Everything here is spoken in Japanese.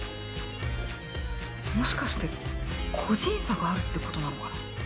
もしかして個人差があるってことなのかな？